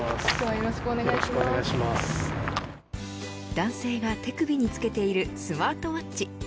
男性が手首に着けているスマートウォッチ。